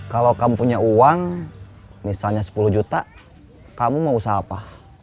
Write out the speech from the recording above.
kalau kamu punya uang misalnya sepuluh juta kamu mau usaha apa